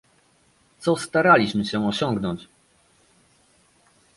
Co staraliśmy się osiągnąć?